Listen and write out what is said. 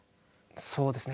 そうですね。